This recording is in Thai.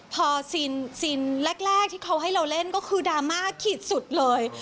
พอซีนแรกที่เขาให้เราเล่นก็คือดราม่าขีดสุดเลย